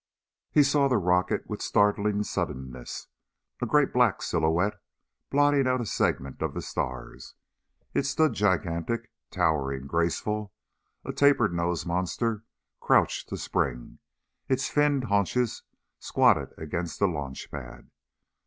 He saw the rocket with startling suddenness a great black silhouette blotting out a segment of the stars. It stood gigantic, towering, graceful, a taper nosed monster crouched to spring, its finned haunches squatted against the launch pad.